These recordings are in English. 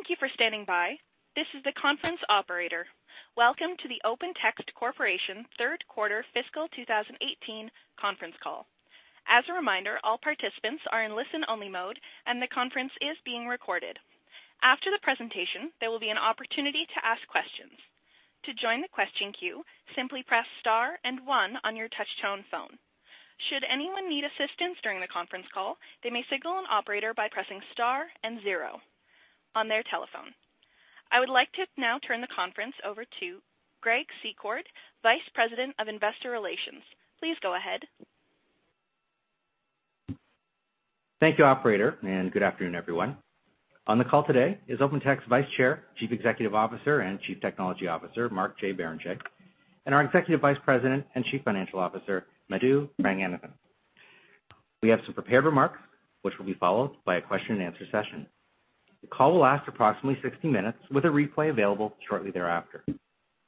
Thank you for standing by. This is the conference operator. Welcome to the Open Text Corporation third quarter fiscal 2018 conference call. As a reminder, all participants are in listen-only mode, and the conference is being recorded. After the presentation, there will be an opportunity to ask questions. To join the question queue, simply press star and one on your touch tone phone. Should anyone need assistance during the conference call, they may signal an operator by pressing star and zero on their telephone. I would like to now turn the conference over to Greg Secord, Vice President of Investor Relations. Please go ahead. Thank you operator. On the call today is Open Text Vice Chair, Chief Executive Officer and Chief Technology Officer, Mark J. Barrenechea, and our Executive Vice President and Chief Financial Officer, Madhu Ranganathan. We have some prepared remarks, which will be followed by a question and answer session. The call will last approximately 60 minutes with a replay available shortly thereafter.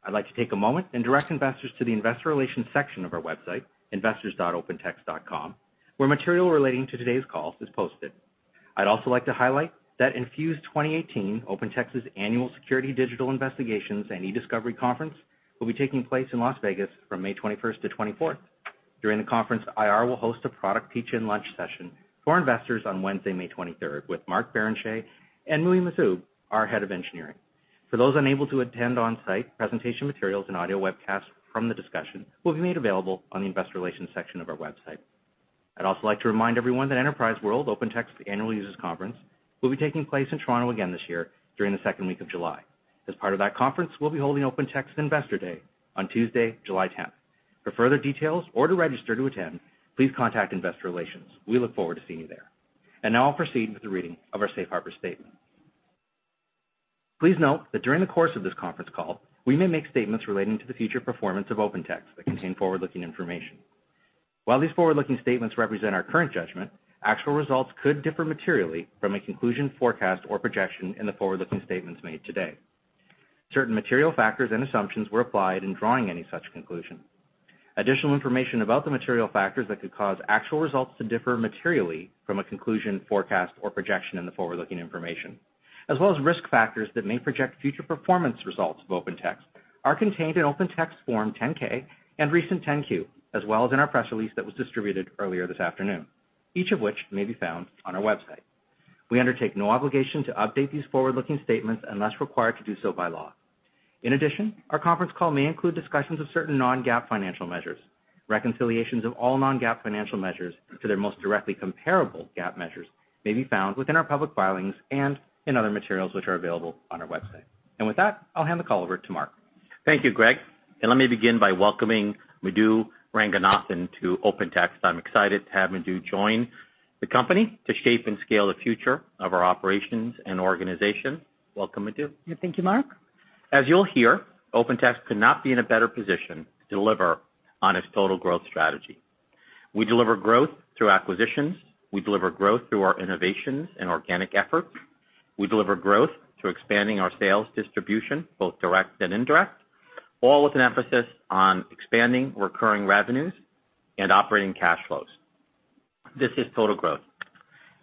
I'd like to take a moment and direct investors to the investor relations section of our website, investors.opentext.com, where material relating to today's call is posted. I'd also like to highlight that Enfuse 2018, Open Text's annual security digital investigations and eDiscovery conference, will be taking place in Las Vegas from May 21st to 24th. During the conference, IR will host a product teach-in lunch session for investors on Wednesday, May 23rd with Mark Barrenechea and Muhi S. Majzoub, our Head of Engineering. For those unable to attend on site, presentation materials and audio webcast from the investor relations section of our website. I'd also like to remind everyone that Enterprise World, Open Text's annual users conference, will be taking place in Toronto again this year during the second week of July. As part of that conference, we'll be holding Open Text Investor Day on Tuesday, July 10th. For further details or to register to attend, please contact investor relations. We look forward to seeing you there. Now I'll proceed with the reading of our safe harbor statement. Please note that during the course of this conference call, we may make statements relating to the future performance of Open Text that contain forward-looking information. While these forward-looking statements represent our current judgment, actual results could differ materially from a conclusion, forecast, or projection in the forward-looking statements made today. Certain material factors and assumptions were applied in drawing any such conclusion. Additional information about the material factors that could cause actual results to differ materially from a conclusion, forecast, or projection in the forward-looking information, as well as risk factors that may project future performance results of Open Text, are contained in Open Text Form 10-K and recent 10-Q, as well as in our press release that was distributed earlier this afternoon, each of which may be found on our website. We undertake no obligation to update these forward-looking statements unless required to do so by law. In addition, our conference call may include discussions of certain non-GAAP financial measures. Reconciliations of all non-GAAP financial measures to their most directly comparable GAAP measures may be found within our public filings and in other materials which are available on our website. With that, I'll hand the call over to Mark. Thank you, Greg. Let me begin by welcoming Madhu Ranganathan to OpenText. I'm excited to have Madhu join the company to shape and scale the future of our operations and organization. Welcome, Madhu. Thank you, Mark. As you'll hear, OpenText could not be in a better position to deliver on its total growth strategy. We deliver growth through acquisitions. We deliver growth through our innovations and organic efforts. We deliver growth through expanding our sales distribution, both direct and indirect, all with an emphasis on expanding recurring revenues and operating cash flows. This is total growth.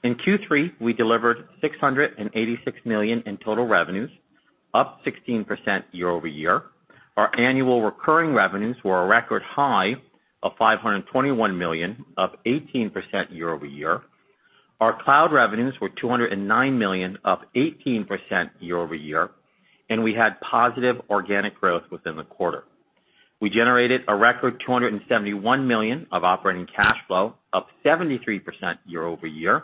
In Q3, we delivered $686 million in total revenues, up 16% year-over-year. Our annual recurring revenues were a record high of $521 million, up 18% year-over-year. Our cloud revenues were $209 million, up 18% year-over-year, and we had positive organic growth within the quarter. We generated a record $271 million of operating cash flow, up 73% year-over-year.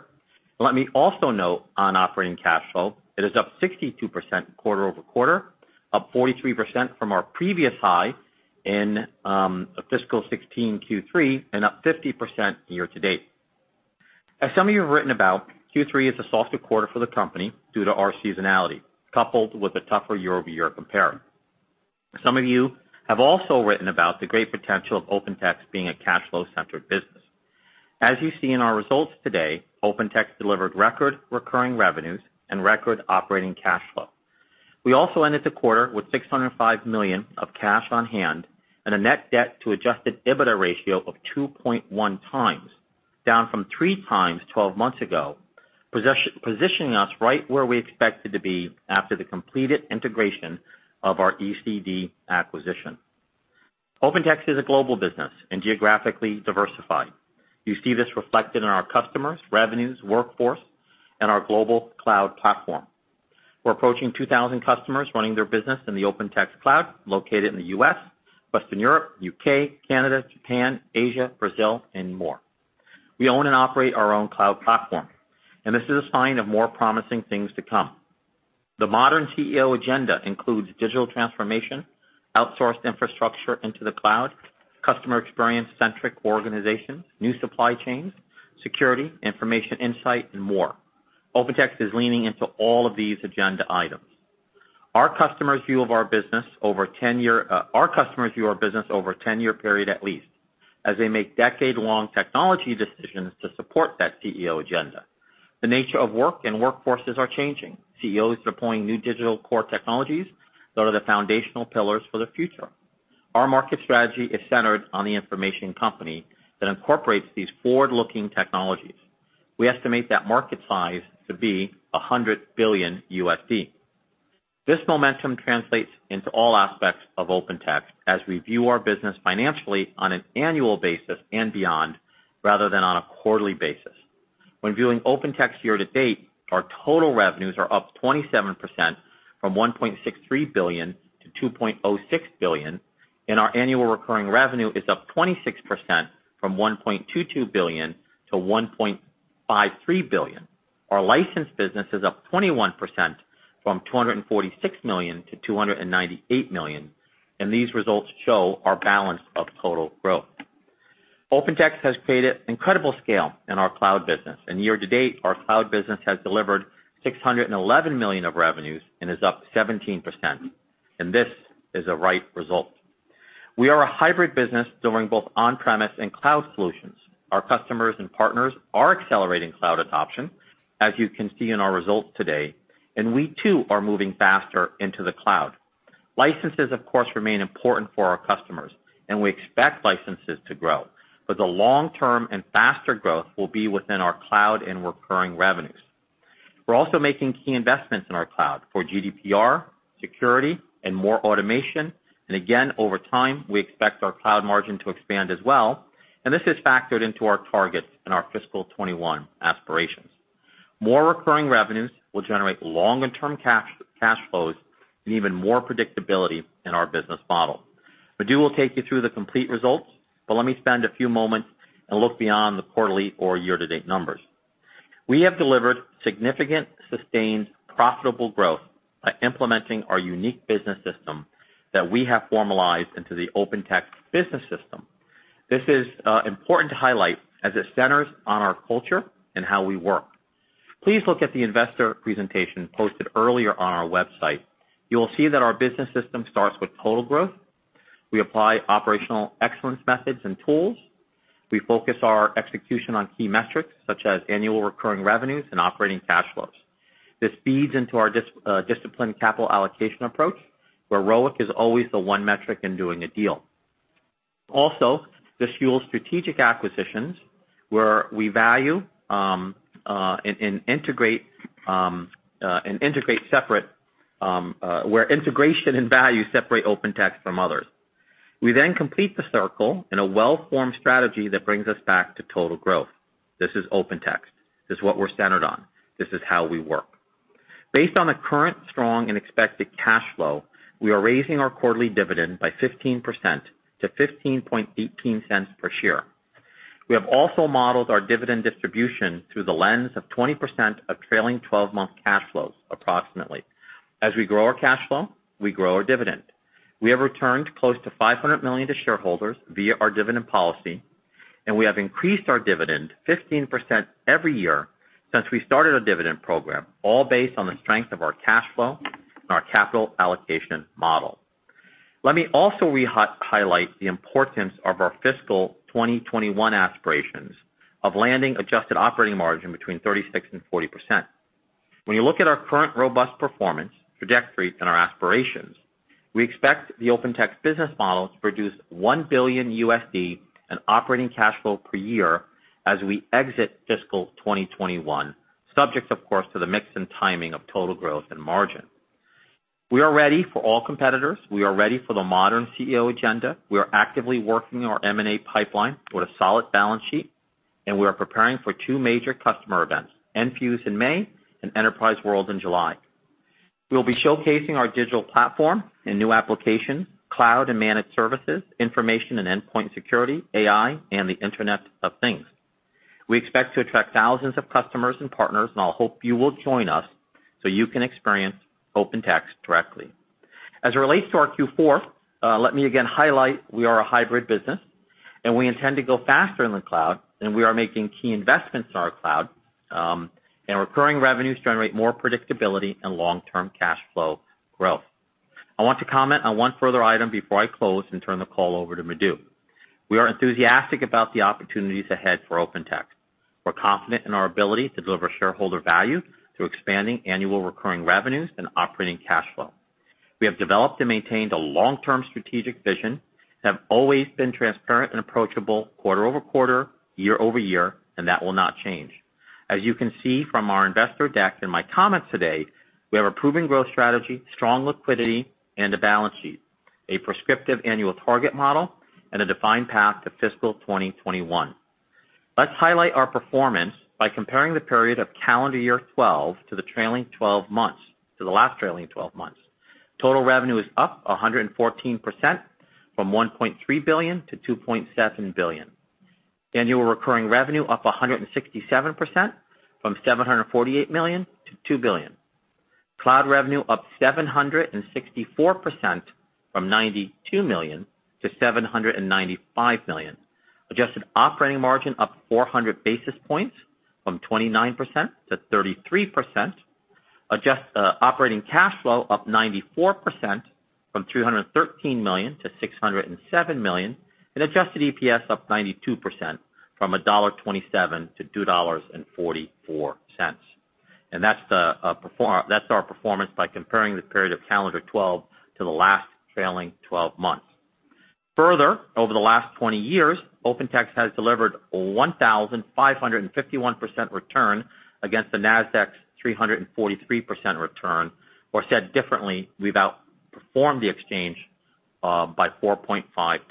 Let me also note on operating cash flow, it is up 62% quarter-over-quarter, up 43% from our previous high in fiscal 2016 Q3, and up 50% year-to-date. As some of you have written about, Q3 is a softer quarter for the company due to our seasonality, coupled with a tougher year-over-year compare. Some of you have also written about the great potential of OpenText being a cash flow centered business. As you see in our results today, OpenText delivered record recurring revenues and record operating cash flow. We also ended the quarter with $605 million of cash on hand and a net debt to adjusted EBITDA ratio of 2.1 times, down from 3 times 12 months ago, positioning us right where we expected to be after the completed integration of our ECD acquisition. OpenText is a global business and geographically diversified. You see this reflected in our customers, revenues, workforce, and our global cloud platform. We're approaching 2,000 customers running their business in the OpenText Cloud located in the U.S., Western Europe, U.K., Canada, Japan, Asia, Brazil, and more. We own and operate our own cloud platform. This is a sign of more promising things to come. The modern CEO agenda includes digital transformation, outsourced infrastructure into the cloud, customer experience centric organizations, new supply chains, security, information insight, and more. OpenText is leaning into all of these agenda items. Our customers view our business over a 10-year period at least as they make decade-long technology decisions to support that CEO agenda. The nature of work and workforces are changing. CEOs are deploying new digital core technologies that are the foundational pillars for the future. Our market strategy is centered on the information company that incorporates these forward-looking technologies. We estimate that market size to be $100 billion. This momentum translates into all aspects of OpenText as we view our business financially on an annual basis and beyond, rather than on a quarterly basis. When viewing OpenText year-to-date, our total revenues are up 27%, from $1.63 billion to $2.06 billion, and our annual recurring revenue is up 26%, from $1.22 billion to $1.53 billion. Our license business is up 21%, from $246 million to $298 million. These results show our balance of total growth. OpenText has created incredible scale in our cloud business. Year-to-date, our cloud business has delivered $611 million of revenues and is up 17%. This is a right result. We are a hybrid business delivering both on-premise and cloud solutions. Our customers and partners are accelerating cloud adoption, as you can see in our results today. We too are moving faster into the cloud. Licenses, of course, remain important for our customers. We expect licenses to grow. The long-term and faster growth will be within our cloud and recurring revenues. We're also making key investments in our cloud for GDPR, security, and more automation. Again, over time, we expect our cloud margin to expand as well. This is factored into our targets in our fiscal 2021 aspirations. More recurring revenues will generate longer-term cash flows and even more predictability in our business model. Madhu will take you through the complete results. Let me spend a few moments and look beyond the quarterly or year-to-date numbers. We have delivered significant, sustained, profitable growth by implementing our unique business system that we have formalized into the OpenText Business System. This is important to highlight as it centers on our culture and how we work. Please look at the investor presentation posted earlier on our website. You will see that our business system starts with total growth. We apply operational excellence methods and tools. We focus our execution on key metrics such as annual recurring revenues and operating cash flows. This feeds into our disciplined capital allocation approach, where ROIC is always the one metric in doing a deal. This also fuels strategic acquisitions, where integration and value separate OpenText from others. We then complete the circle in a well-formed strategy that brings us back to total growth. This is OpenText. This is what we're centered on. This is how we work. Based on the current strong and expected cash flow, we are raising our quarterly dividend by 15% to $0.1518 per share. We have also modeled our dividend distribution through the lens of 20% of trailing 12-month cash flows, approximately. As we grow our cash flow, we grow our dividend. We have returned close to $500 million to shareholders via our dividend policy, and we have increased our dividend 15% every year since we started our dividend program, all based on the strength of our cash flow and our capital allocation model. Let me also re-highlight the importance of our fiscal 2021 aspirations of landing adjusted operating margin between 36% and 40%. When you look at our current robust performance trajectory and our aspirations, we expect the OpenText business model to produce $1 billion in operating cash flow per year as we exit fiscal 2021, subject, of course, to the mix and timing of total growth and margin. We are ready for all competitors. We are ready for the modern CEO agenda. We are actively working our M&A pipeline with a solid balance sheet, and we are preparing for two major customer events, Enfuse in May and Enterprise World in July. We'll be showcasing our digital platform and new applications, cloud and managed services, information and endpoint security, AI, and the Internet of Things. We expect to attract thousands of customers and partners, and I hope you will join us so you can experience OpenText directly. As it relates to our Q4, let me again highlight we are a hybrid business and we intend to go faster in the cloud and we are making key investments in our cloud, and recurring revenues generate more predictability and long-term cash flow growth. I want to comment on one further item before I close and turn the call over to Madhu. We are enthusiastic about the opportunities ahead for OpenText. We're confident in our ability to deliver shareholder value through expanding annual recurring revenues and operating cash flow. We have developed and maintained a long-term strategic vision, have always been transparent and approachable quarter-over-quarter, year-over-year, and that will not change. As you can see from our investor deck and my comments today, we have a proven growth strategy, strong liquidity, and a balance sheet, a prescriptive annual target model, and a defined path to fiscal 2021. Let's highlight our performance by comparing the period of calendar year 2012 to the last trailing 12 months. Total revenue is up 114%, from $1.3 billion to $2.7 billion. Annual recurring revenue up 167%, from $748 million to $2 billion. Cloud revenue up 764%, from $92 million to $795 million. Adjusted operating margin up 400 basis points from 29% to 33%. Adjusted operating cash flow up 94%, from $313 million to $607 million. Adjusted EPS up 92%, from $1.27 to $2.44. That's our performance by comparing the period of calendar 2012 to the last trailing 12 months. Over the last 20 years, OpenText has delivered 1,551% return against the NASDAQ's 343% return, or said differently, we've outperformed the exchange by 4.5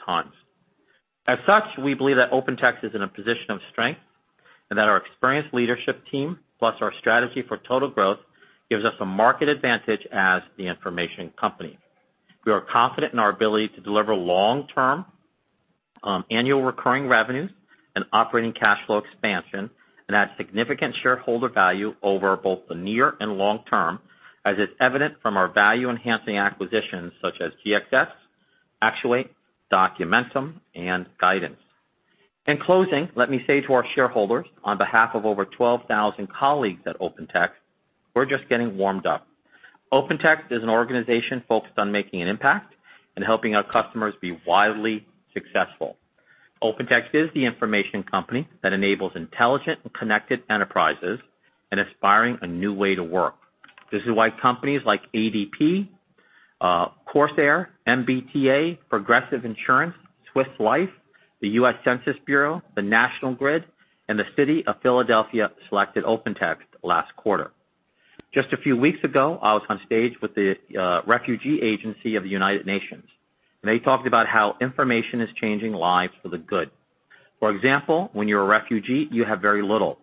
times. We believe that OpenText is in a position of strength and that our experienced leadership team, plus our strategy for total growth, gives us a market advantage as the information company. We are confident in our ability to deliver long-term annual recurring revenues and operating cash flow expansion and add significant shareholder value over both the near and long term, as is evident from our value-enhancing acquisitions such as GXS, Actuate, Documentum, and Guidance. In closing, let me say to our shareholders, on behalf of over 12,000 colleagues at OpenText, we're just getting warmed up. OpenText is an organization focused on making an impact and helping our customers be wildly successful. OpenText is the information company that enables intelligent and connected enterprises in aspiring a new way to work. This is why companies like ADP, Corsair, MBTA, Progressive Insurance, Swiss Life, the U.S. Census Bureau, the National Grid, and the City of Philadelphia selected OpenText last quarter. Just a few weeks ago, I was on stage with the refugee agency of the United Nations, and they talked about how information is changing lives for the good. For example, when you're a refugee, you have very little.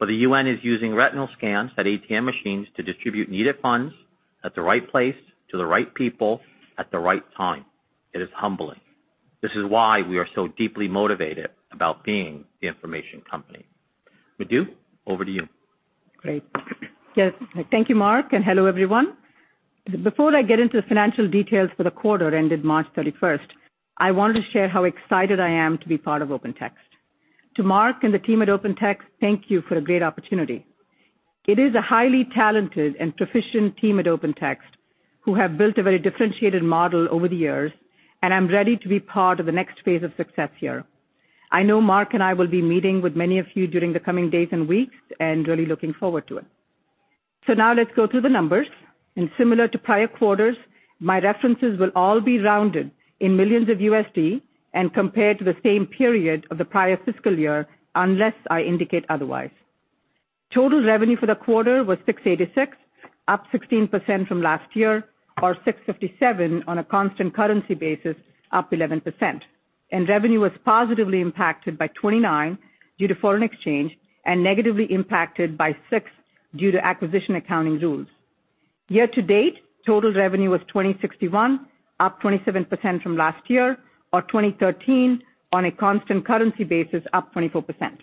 The UN is using retinal scans at ATM machines to distribute needed funds at the right place to the right people at the right time. It is humbling. This is why we are so deeply motivated about being the information company. Madhu, over to you. Thank you, Mark, and hello, everyone. Before I get into the financial details for the quarter ended March 31st, I want to share how excited I am to be part of OpenText. To Mark and the team at OpenText, thank you for a great opportunity. It is a highly talented and proficient team at OpenText who have built a very differentiated model over the years, and I'm ready to be part of the next phase of success here. I know Mark and I will be meeting with many of you during the coming days and weeks, and really looking forward to it. Now let's go to the numbers, similar to prior quarters, my references will all be rounded in millions of USD and compared to the same period of the prior fiscal year, unless I indicate otherwise. Total revenue for the quarter was $686, up 16% from last year, or $657 on a constant currency basis, up 11%. Revenue was positively impacted by $29 due to foreign exchange and negatively impacted by $6 due to acquisition accounting rules. Year to date, total revenue was $2,061, up 27% from last year, or $2,013 on a constant currency basis, up 24%.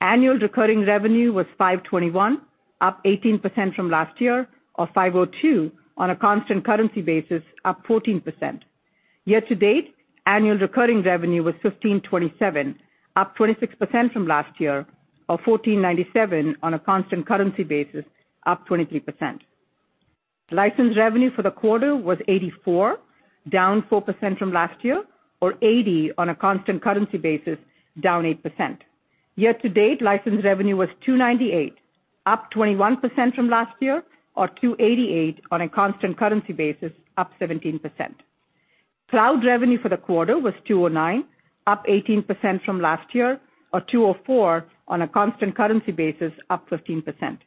Annual recurring revenue was $521, up 18% from last year, or $502 on a constant currency basis, up 14%. Year to date, annual recurring revenue was $1,527, up 26% from last year, or $1,497 on a constant currency basis, up 23%. License revenue for the quarter was $84, down 4% from last year, or $80 on a constant currency basis, down 8%. Year to date, license revenue was $298, up 21% from last year, or $288 on a constant currency basis, up 17%. Cloud revenue for the quarter was $209, up 18% from last year, or $204 on a constant currency basis, up 15%.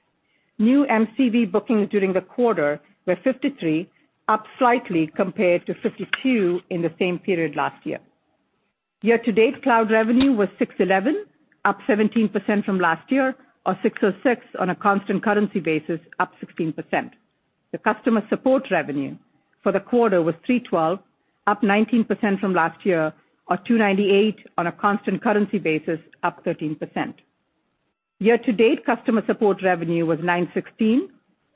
New MCV bookings during the quarter were $53, up slightly compared to $52 in the same period last year. Year to date, cloud revenue was $611, up 17% from last year, or $606 on a constant currency basis, up 16%. The customer support revenue for the quarter was $312, up 19% from last year, or $298 on a constant currency basis, up 13%. Year to date customer support revenue was $916,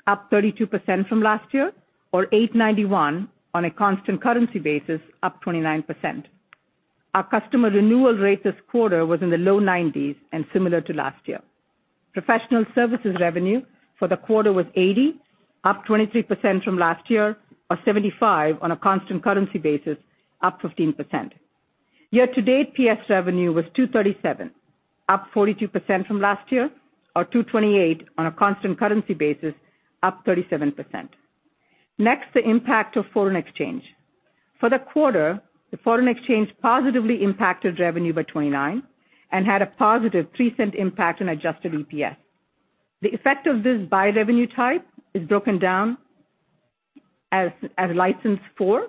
up 32% from last year, or $891 on a constant currency basis, up 29%. Our customer renewal rate this quarter was in the low 90s and similar to last year. Professional services revenue for the quarter was $80, up 23% from last year, or $75 on a constant currency basis, up 15%. Year to date PS revenue was $237, up 42% from last year, or $228 on a constant currency basis, up 37%. Next, the impact of foreign exchange. For the quarter, the foreign exchange positively impacted revenue by $29 and had a positive $0.03 impact on adjusted EPS. The effect of this by revenue type is broken down as license $4,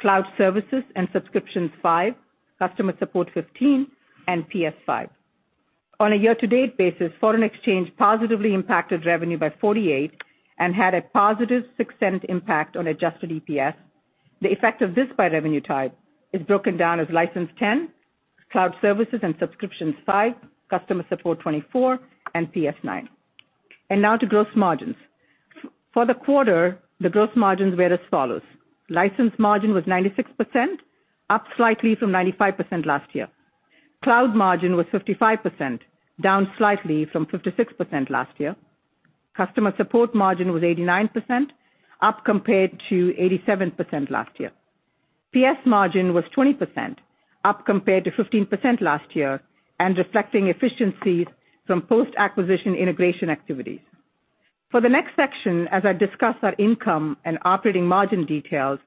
cloud services and subscriptions $5, customer support $15, and PS $5. On a year to date basis, foreign exchange positively impacted revenue by $48 and had a positive $0.06 impact on adjusted EPS. The effect of this by revenue type is broken down as license $10, cloud services and subscriptions $5, customer support $24, and PS $9. Now to gross margins. For the quarter, the gross margins were as follows: license margin was 96%, up slightly from 95% last year. Cloud margin was 55%, down slightly from 56% last year. Customer support margin was 89%, up compared to 87% last year. PS margin was 20%, up compared to 15% last year, and reflecting efficiencies from post-acquisition integration activities. For the next section, as I discuss our income and operating margin details,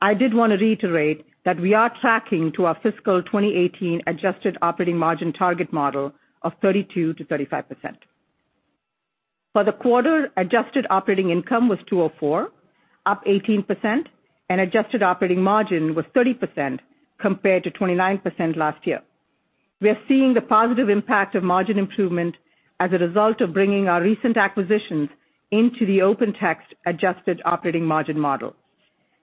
I did want to reiterate that we are tracking to our fiscal 2018 adjusted operating margin target model of 32%-35%. For the quarter, adjusted operating income was $204, up 18%, and adjusted operating margin was 30% compared to 29% last year. We are seeing the positive impact of margin improvement as a result of bringing our recent acquisitions into the OpenText adjusted operating margin model.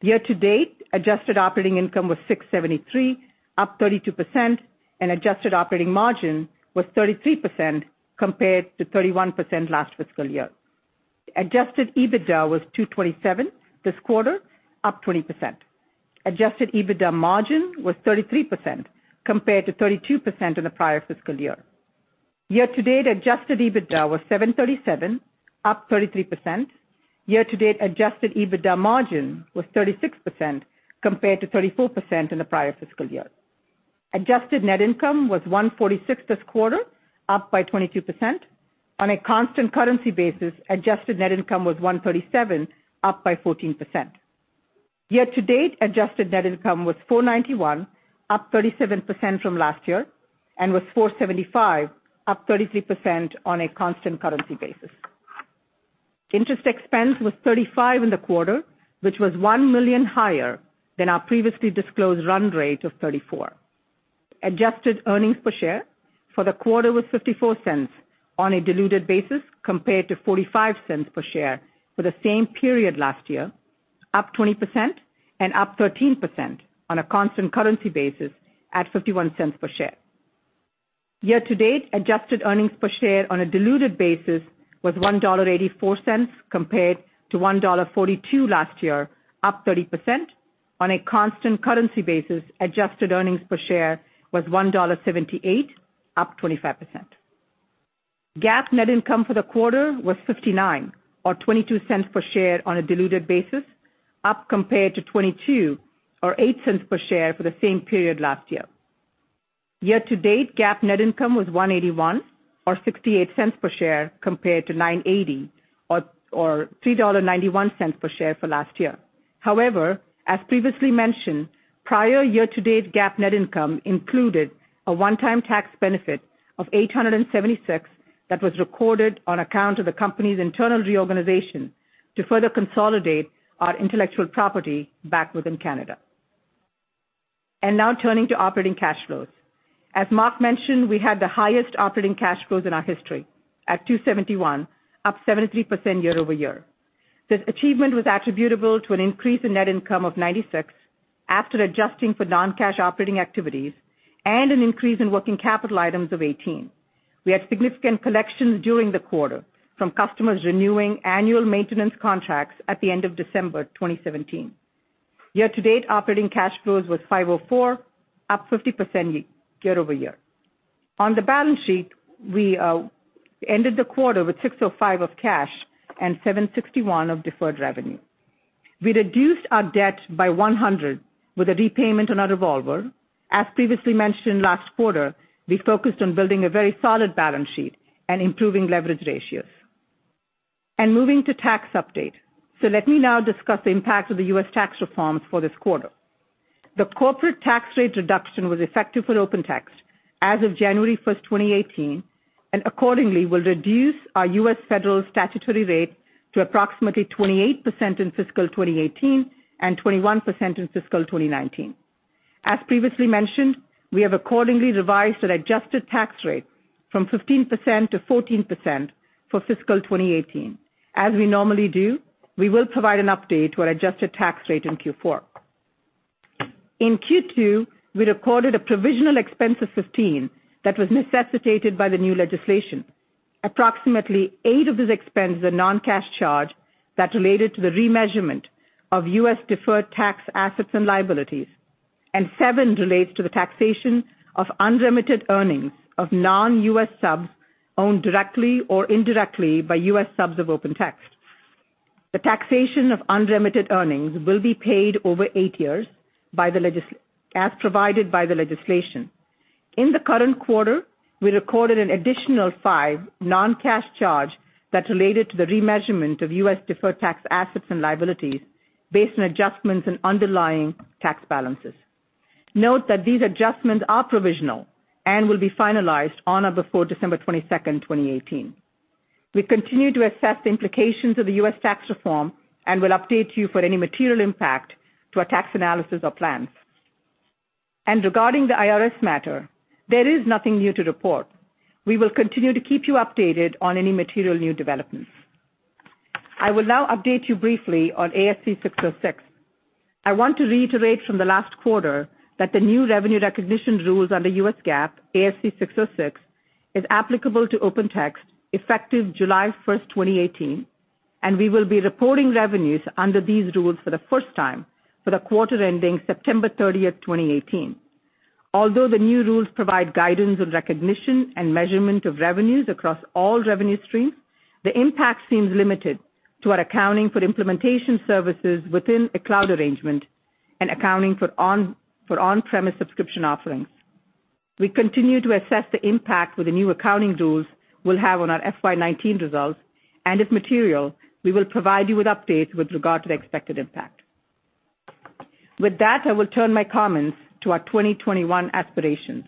Year to date, adjusted operating income was $673, up 32%, and adjusted operating margin was 33% compared to 31% last fiscal year. Adjusted EBITDA was $227 this quarter, up 20%. Adjusted EBITDA margin was 33% compared to 32% in the prior fiscal year. Year to date, adjusted EBITDA was $737, up 33%. Year to date adjusted EBITDA margin was 36% compared to 34% in the prior fiscal year. Adjusted net income was $146 this quarter, up by 22%. On a constant currency basis, adjusted net income was $137, up by 14%. Year to date, adjusted net income was $491, up 37% from last year, and was $475, up 33% on a constant currency basis. Interest expense was $35 in the quarter, which was $1 million higher than our previously disclosed run rate of $34. Adjusted earnings per share for the quarter was $0.54 on a diluted basis compared to $0.45 per share for the same period last year, up 20% and up 13% on a constant currency basis at $0.51 per share. Year to date, adjusted earnings per share on a diluted basis was $1.84 compared to $1.42 last year, up 30%. On a constant currency basis, adjusted earnings per share was $1.78, up 25%. GAAP net income for the quarter was $59, or $0.22 per share on a diluted basis, up compared to $22 or $0.08 per share for the same period last year. Year to date, GAAP net income was $181, or $0.68 per share compared to $980 or $3.91 per share for last year. However, as previously mentioned, prior year to date GAAP net income included a one-time tax benefit of $876 that was recorded on account of the company's internal reorganization to further consolidate our intellectual property back within Canada. Now turning to operating cash flows. As Mark mentioned, we had the highest operating cash flows in our history at $271, up 73% year-over-year. This achievement was attributable to an increase in net income of $96 after adjusting for non-cash operating activities and an increase in working capital items of $18. We had significant collections during the quarter from customers renewing annual maintenance contracts at the end of December 2017. Year to date, operating cash flows was $504, up 50% year-over-year. On the balance sheet, we ended the quarter with $605 of cash and $761 of deferred revenue. We reduced our debt by $100 with a repayment on our revolver. As previously mentioned last quarter, we focused on building a very solid balance sheet and improving leverage ratios. Moving to tax update. Let me now discuss the impact of the U.S. tax reforms for this quarter. The corporate tax rate reduction was effective for Open Text as of January 1st, 2018, and accordingly will reduce our U.S. federal statutory rate to approximately 28% in fiscal 2018 and 21% in fiscal 2019. As previously mentioned, we have accordingly revised an adjusted tax rate from 15% to 14% for fiscal 2018. As we normally do, we will provide an update to our adjusted tax rate in Q4. In Q2, we recorded a provisional expense of $15 that was necessitated by the new legislation. Approximately $8 of these expense is a non-cash charge that related to the remeasurement of U.S. deferred tax assets and liabilities, and $7 relates to the taxation of unlimited earnings of non-U.S. subs owned directly or indirectly by U.S. subs of Open Text. The taxation of unlimited earnings will be paid over eight years as provided by the legislation. In the current quarter, we recorded an additional five non-cash charge that related to the remeasurement of U.S. deferred tax assets and liabilities based on adjustments in underlying tax balances. Note that these adjustments are provisional and will be finalized on or before December 22nd, 2018. We continue to assess the implications of the U.S. tax reform and will update you for any material impact to our tax analysis or plans. Regarding the IRS matter, there is nothing new to report. We will continue to keep you updated on any material new developments. I will now update you briefly on ASC 606. I want to reiterate from the last quarter that the new revenue recognition rules under U.S. GAAP, ASC 606, is applicable to OpenText effective July 1st, 2018, and we will be reporting revenues under these rules for the first time for the quarter ending September 30th, 2018. Although the new rules provide guidance on recognition and measurement of revenues across all revenue streams, the impact seems limited to our accounting for implementation services within a cloud arrangement and accounting for on-premise subscription offerings. We continue to assess the impact the new accounting rules will have on our FY 2019 results, and if material, we will provide you with updates with regard to the expected impact. With that, I will turn my comments to our 2021 aspirations.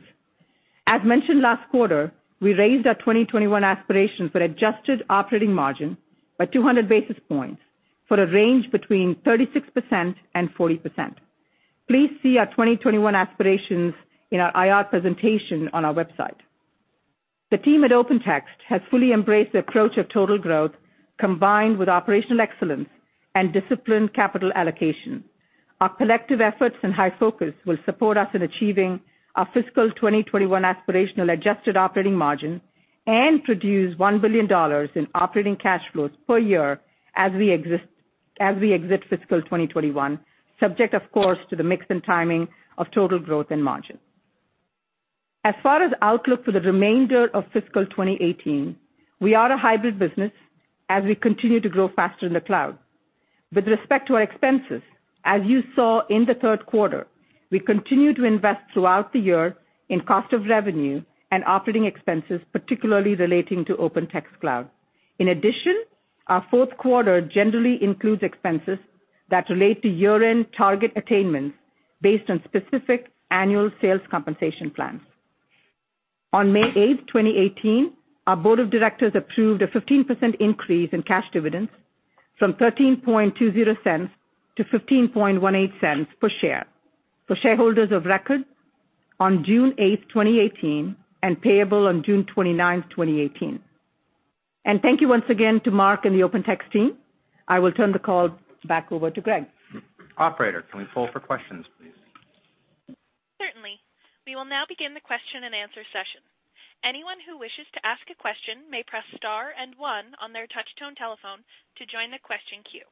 As mentioned last quarter, we raised our 2021 aspirations for adjusted operating margin by 200 basis points for a range between 36% and 40%. Please see our 2021 aspirations in our IR presentation on our website. The team at OpenText has fully embraced the approach of total growth combined with operational excellence and disciplined capital allocation. Our collective efforts and high focus will support us in achieving our fiscal 2021 aspirational adjusted operating margin and produce $1 billion in operating cash flows per year as we exit fiscal 2021, subject, of course, to the mix and timing of total growth and margin. As far as outlook for the remainder of fiscal 2018, we are a hybrid business as we continue to grow faster in the cloud. With respect to our expenses, as you saw in the third quarter, we continue to invest throughout the year in cost of revenue and operating expenses, particularly relating to OpenText Cloud. Our fourth quarter generally includes expenses that relate to year-end target attainments based on specific annual sales compensation plans. On May 8th, 2018, our board of directors approved a 15% increase in cash dividends from $0.1320 to $0.1518 per share for shareholders of record on June 8th, 2018, and payable on June 29th, 2018. Thank you once again to Mark and the OpenText team. I will turn the call back over to Greg. Operator, can we poll for questions, please? Certainly. We will now begin the question and answer session. Anyone who wishes to ask a question may press star and one on their touch-tone telephone to join the question queue.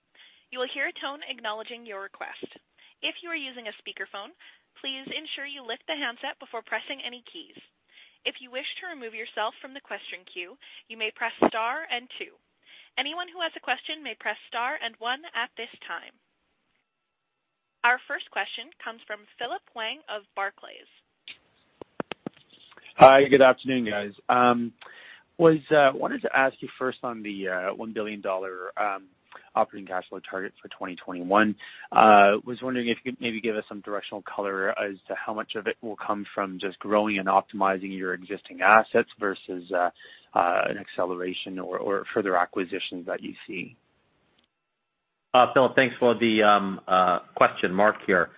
You will hear a tone acknowledging your request. If you are using a speakerphone, please ensure you lift the handset before pressing any keys. If you wish to remove yourself from the question queue, you may press star and two. Anyone who has a question may press star and one at this time. Our first question comes from Philip Huang of Barclays. Hi. Good afternoon, guys. Wanted to ask you first on the $1 billion operating cash flow target for 2021. Was wondering if you could maybe give us some directional color as to how much of it will come from just growing and optimizing your existing assets versus an acceleration or further acquisitions that you see. Philip, thanks for the question. Mark here.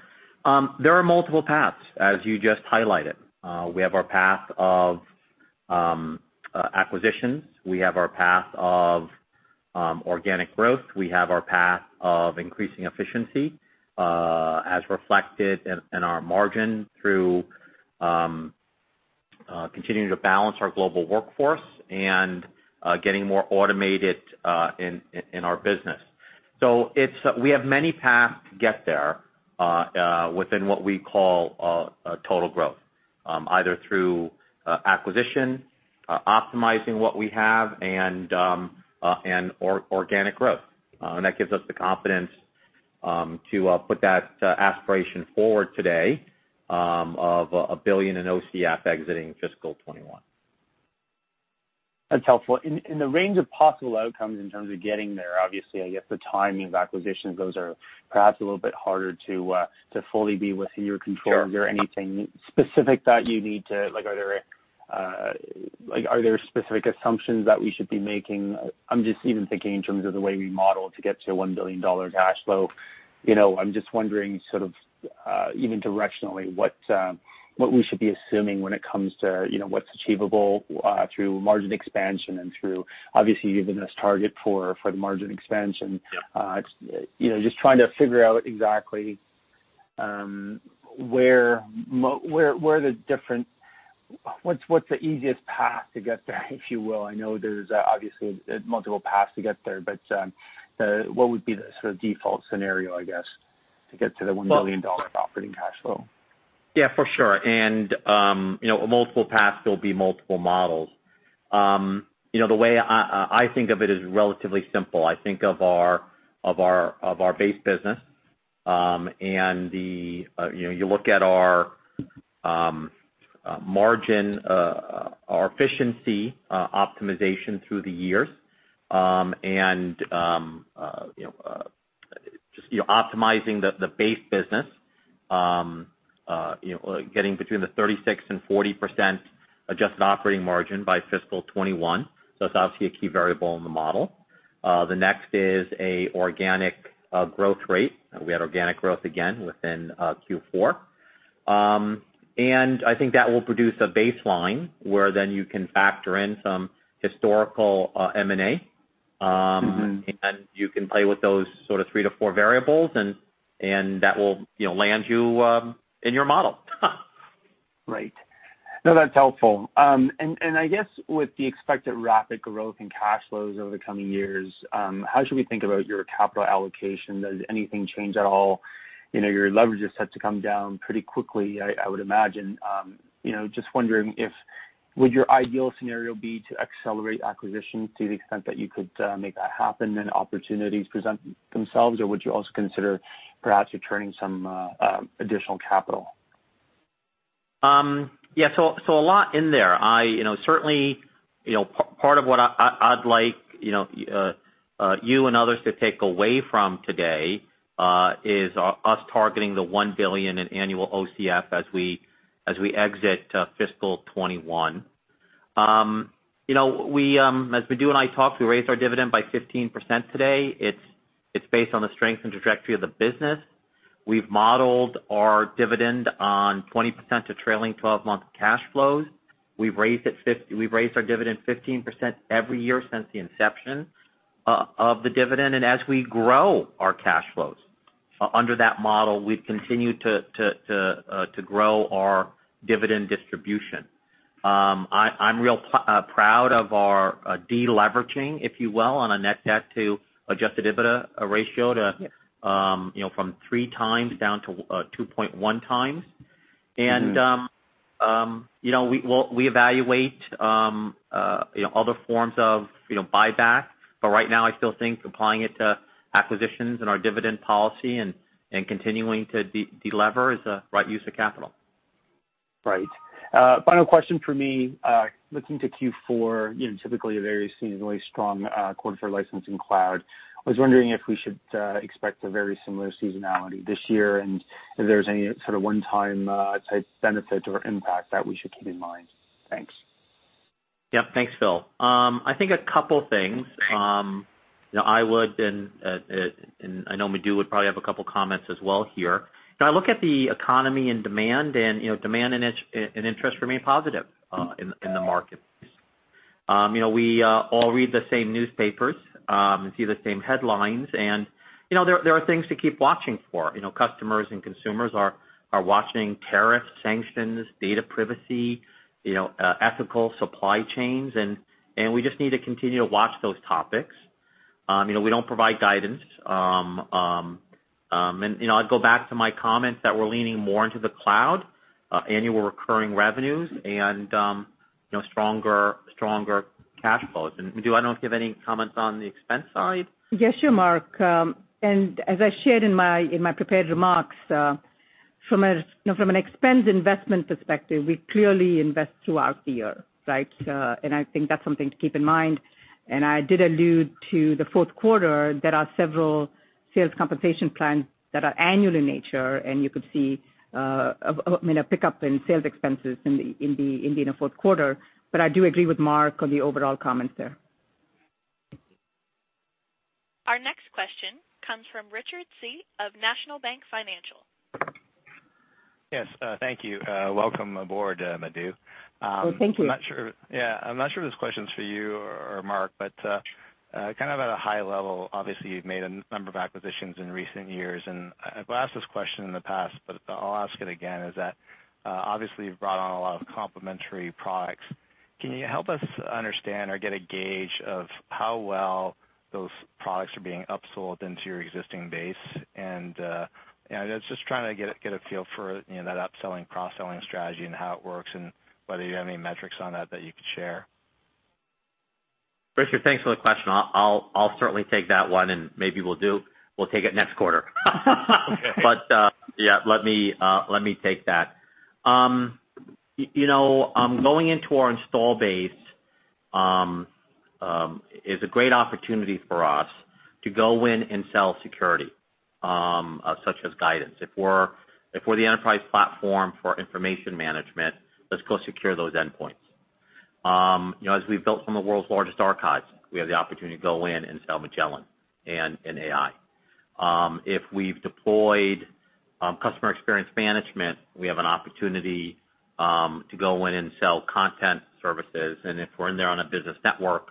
There are multiple paths, as you just highlighted. We have our path of acquisitions. We have our path of organic growth. We have our path of increasing efficiency as reflected in our margin through continuing to balance our global workforce and getting more automated in our business. We have many paths to get there within what we call total growth, either through acquisition, optimizing what we have, and organic growth. That gives us the confidence to put that aspiration forward today of $1 billion in OCF exiting fiscal 2021. That's helpful. In the range of possible outcomes in terms of getting there, obviously, I guess the timing of acquisitions, those are perhaps a little bit harder to fully be within your control. Sure. Are there specific assumptions that we should be making? I'm just even thinking in terms of the way we model to get to a $1 billion cash flow. I'm just wondering sort of even directionally, what we should be assuming when it comes to what's achievable through margin expansion and through, obviously, you've given us target for the margin expansion. Yeah. Just trying to figure out exactly what's the easiest path to get there, if you will. I know there's obviously multiple paths to get there, but what would be the sort of default scenario, I guess, to get to the $1 billion operating cash flow? Yeah, for sure. Multiple paths, there'll be multiple models. The way I think of it is relatively simple. I think of our base business and you look at our margin, our efficiency optimization through the years, and just optimizing the base business, getting between the 36%-40% adjusted operating margin by FY 2021. That's obviously a key variable in the model. The next is a organic growth rate. We had organic growth again within Q4. I think that will produce a baseline where then you can factor in some historical M&A. You can play with those sort of three to four variables, and that will land you in your model. Right. No, that's helpful. I guess with the expected rapid growth in cash flows over the coming years, how should we think about your capital allocation? Does anything change at all? Your leverage is set to come down pretty quickly, I would imagine. Just wondering if would your ideal scenario be to accelerate acquisitions to the extent that you could make that happen and opportunities present themselves, or would you also consider perhaps returning some additional capital? Yeah. A lot in there. Certainly, part of what I'd like you and others to take away from today is us targeting the $1 billion in annual OCF as we exit fiscal 2021. As Madhu and I talked, we raised our dividend by 15% today. It's based on the strength and trajectory of the business. We've modeled our dividend on 20% of trailing 12-month cash flows. We've raised our dividend 15% every year since the inception of the dividend. As we grow our cash flows under that model, we've continued to grow our dividend distribution. I'm real proud of our de-leveraging, if you will, on a net debt to adjusted EBITDA ratio to- Yeah from three times down to 2.1 times. We evaluate other forms of buyback. Right now, I still think applying it to acquisitions and our dividend policy and continuing to de-lever is the right use of capital. Right. Final question from me. Looking to Q4, typically a very seasonally strong quarter for license and cloud, I was wondering if we should expect a very similar seasonality this year. If there's any sort of one-time type benefit or impact that we should keep in mind. Thanks. Yeah. Thanks, Philip. I think a couple things. I would, I know Madhu would probably have a couple of comments as well here. I look at the economy and demand and interest remain positive in the marketplace. We all read the same newspapers, see the same headlines, there are things to keep watching for. Customers and consumers are watching tariffs, sanctions, data privacy, ethical supply chains, we just need to continue to watch those topics. We don't provide guidance. I'd go back to my comments that we're leaning more into the cloud, annual recurring revenues and stronger cash flows. Madhu, I don't know if you have any comments on the expense side? Yes. Sure, Mark. As I shared in my prepared remarks, from an expense investment perspective, we clearly invest throughout the year, right? I think that's something to keep in mind. I did allude to the fourth quarter, there are several sales compensation plans that are annual in nature, you could see a pickup in sales expenses in the fourth quarter. I do agree with Mark on the overall comments there. Our next question comes from Richard Tse of National Bank Financial. Yes. Thank you. Welcome aboard, Madhu. Oh, thank you. Yeah. I'm not sure if this question's for you or Mark, but kind of at a high level, obviously, you've made a number of acquisitions in recent years, and I've asked this question in the past, but I'll ask it again, is that obviously you've brought on a lot of complementary products. Can you help us understand or get a gauge of how well those products are being upsold into your existing base? Yeah, just trying to get a feel for that upselling, cross-selling strategy and how it works, and whether you have any metrics on that you could share. Richard, thanks for the question. I'll certainly take that one, and maybe we'll take it next quarter. Okay. Yeah, let me take that. Going into our install base is a great opportunity for us to go in and sell security, such as Guidance. If we're the enterprise platform for information management, let's go secure those endpoints. As we've built some of the world's largest archives, we have the opportunity to go in and sell Magellan and AI. If we've deployed customer experience management, we have an opportunity to go in and sell content services. If we're in there on a business network,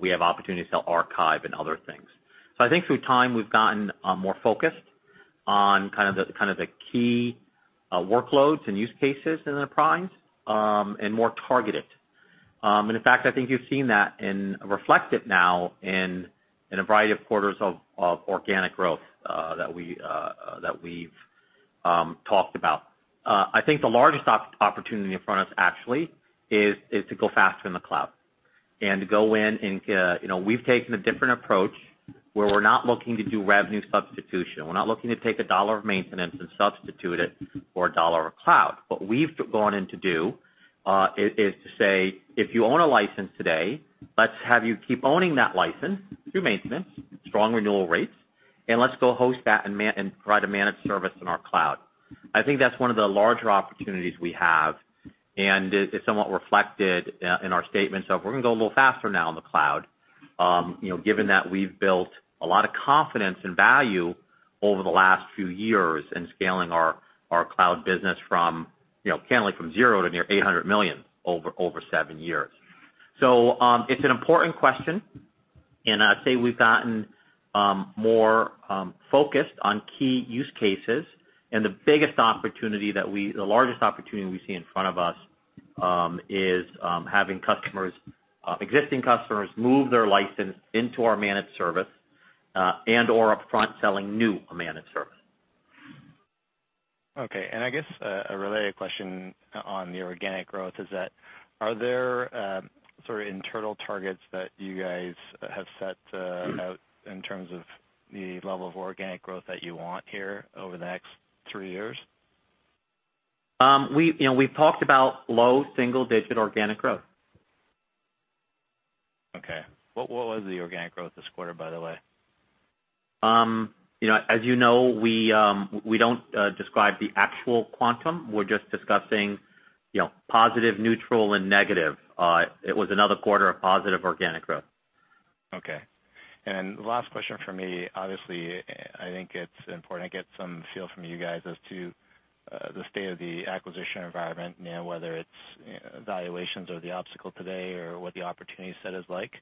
we have opportunity to sell archive and other things. I think through time, we've gotten more focused on kind of the key workloads and use cases in the enterprise, and more targeted. In fact, I think you've seen that and reflect it now in a variety of quarters of organic growth that we've talked about. I think the largest opportunity in front of us actually is to go faster in the cloud and to go in. We've taken a different approach where we're not looking to do revenue substitution. We're not looking to take a dollar of maintenance and substitute it for a dollar of cloud. What we've gone in to do is to say, "If you own a license today, let's have you keep owning that license through maintenance, strong renewal rates, and let's go host that and provide a managed service in our cloud." I think that's one of the larger opportunities we have, and it's somewhat reflected in our statements of we're going to go a little faster now in the cloud given that we've built a lot of confidence and value over the last few years in scaling our cloud business from scaling from zero to near $800 million over seven years. It's an important question. I'd say we've gotten more focused on key use cases. The largest opportunity we see in front of us is having existing customers move their license into our managed service, and/or upfront selling new managed service. Okay. I guess a related question on the organic growth is that, are there sort of internal targets that you guys have set out in terms of the level of organic growth that you want here over the next three years? We've talked about low single-digit organic growth. Okay. What was the organic growth this quarter, by the way? As you know, we don't describe the actual quantum. We're just discussing positive, neutral, and negative. It was another quarter of positive organic growth. Okay. Last question from me, obviously, I think it's important I get some feel from you guys as to the state of the acquisition environment, whether it's valuations or the obstacle today or what the opportunity set is like.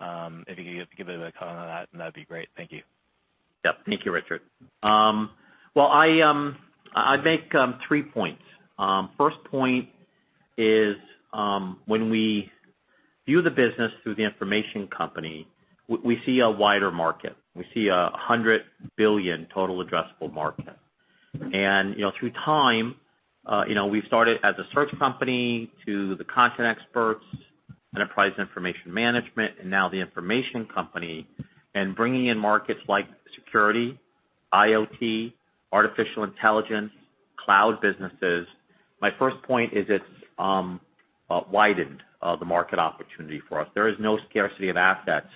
If you could give a bit of comment on that, then that'd be great. Thank you. Yep. Thank you, Richard. Well, I'd make three points. First point is when we view the business through the information company, we see a wider market. We see a $100 billion total addressable market. Through time, we've started as a search company to the content experts, Enterprise Information Management, and now the information company, bringing in markets like security, IoT, artificial intelligence, cloud businesses. My first point is it's widened the market opportunity for us. There is no scarcity of assets